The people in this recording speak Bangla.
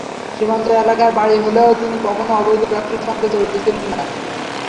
সীমান্ত এলাকায় বাড়ি হলেও তিনি কখনো অবৈধ ব্যবসার সঙ্গে জড়িত ছিলেন না।